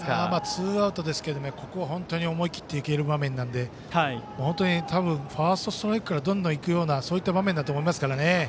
ツーアウトですけど思い切って行ける場面なので本当にファーストストライクからどんどんいくような場面だと思いますからね。